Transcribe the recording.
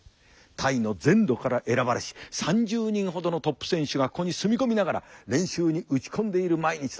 タイの全土から選ばれし３０人ほどのトップ選手がここに住み込みながら練習に打ち込んでいる毎日というわけだ。